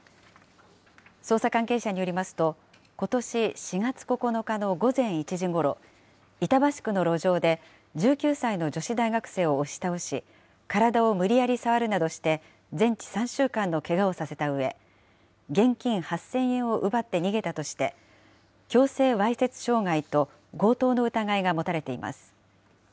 捜査関係者によりますと、ことし４月９日の午前１時ごろ、板橋区の路上で１９歳の女子大学生を押し倒し、体を無理やり触るなどして、全治３週間のけがをさせたうえ、現金８０００円を奪って逃げたとして、強制わいせつ傷害と強盗の疑いが持たれています。